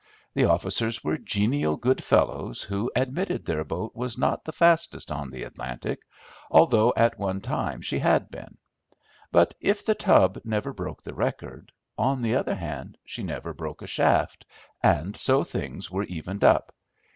The officers were genial good fellows who admitted their boat was not the fastest on the Atlantic, although at one time she had been; but if The Tub never broke the record, on the other hand, she never broke a shaft, and so things were evened up.